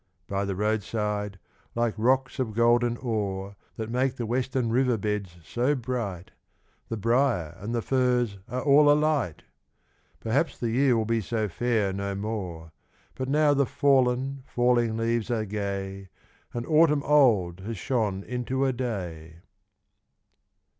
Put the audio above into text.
By the roadside, like rocks of golden ore That make the western river beds so bright, The briar and the furze are all alight! Perhaps the year will be so fair no more, But now the fallen, falling leaves are gay, And autumn old has shone into a Day!